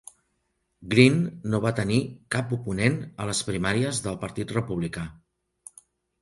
Green no va tenir cap oponent a les primàries del Partit Republicà.